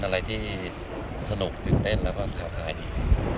เป็นอะไรที่สนุกเยอะเต้นแล้วพอสหายดี